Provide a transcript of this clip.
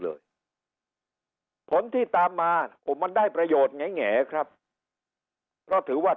เลยผลที่ตามมาโอ้โหมันได้ประโยชน์แง่ครับเพราะถือว่า